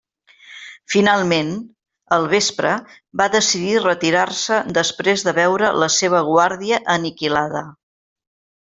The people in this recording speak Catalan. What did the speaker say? Finalment, al vespre va decidir retirar-se després de veure la seva guàrdia aniquilada.